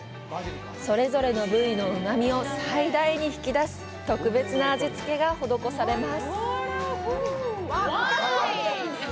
それぞれの部位のうまみを最大に引き出す特別な味つけが施されます。